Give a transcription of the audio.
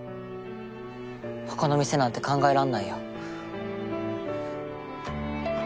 他の店なんて考えられないよ。